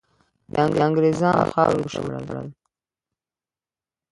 د انګریزانو خاورې ته وشړل.